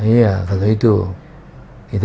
iya kalau itu